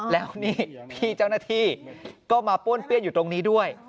แล้วนี่พี่เจ้าหน้าที่ก็มาป้วนเปี้ยนอยู่ตรงนี้ด้วย